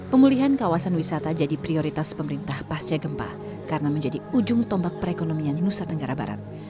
pemulihan kawasan wisata jadi prioritas pemerintah pasca gempa karena menjadi ujung tombak perekonomian nusa tenggara barat